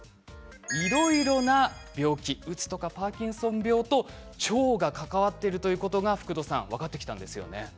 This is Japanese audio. いろいろな病気うつ、パーキンソン病と腸が関わっているということが分かってきたんですよね。